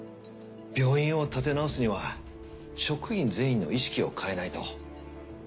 病院を立て直すには職員全員の意識を変えないと。